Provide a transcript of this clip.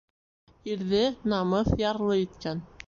Ирҙе намыҫ ярлы иткән.